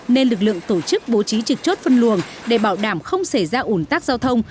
nên lực lượng tổ chức bố trí trực chốt phân luồng để bảo đảm không xảy ra ủn tắc giao thông